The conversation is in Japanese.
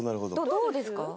どうですか？